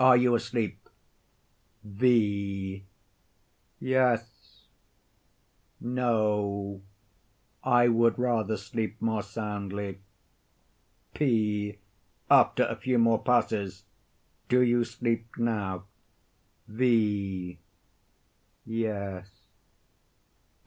P. Are you asleep? V. Yes—no; I would rather sleep more soundly. P. [After a few more passes.] Do you sleep now? V. Yes.